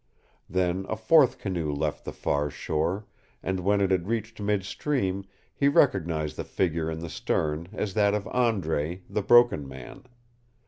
Then a fourth canoe left the far shore, and when it had reached mid stream, he recognized the figure in the stern as that of Andre, the Broken Man.